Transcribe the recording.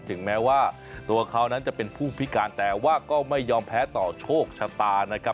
ถึงแม้ว่าตัวเขานั้นจะเป็นผู้พิการแต่ว่าก็ไม่ยอมแพ้ต่อโชคชะตานะครับ